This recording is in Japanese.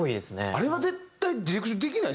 あれは絶対ディレクションできないですよね